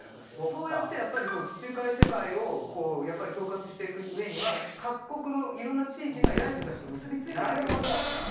そうやってやっぱり地中海世界を統括していく上には各国のいろんな地域の偉い人たちと結びついていかなきゃいけないじゃないですか。